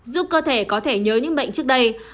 giúp cơ thể có thể nhớ những bệnh trước đây